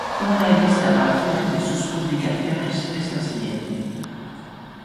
Una lista parcial de sus publicaciones es la siguiente.